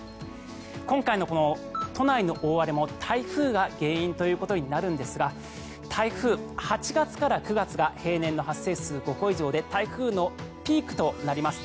今回の、この都内の大荒れも台風が原因ということになるんですが台風、８月から９月が平年の発生数が５個以上で台風のピークとなります。